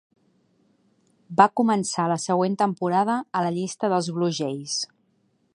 Va començar la següent temporada a la llista dels Blue Jays.